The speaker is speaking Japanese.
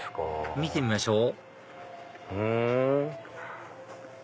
見てみましょうふん。